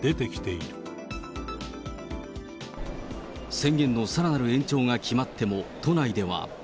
宣言のさらなる延長が決まっても、都内では。